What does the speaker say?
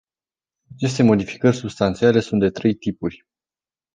Aceste modificări substanțiale sunt de trei tipuri.